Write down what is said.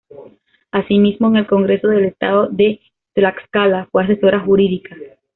Asimismo, en el Congreso del Estado de Tlaxcala fue asesora jurídica.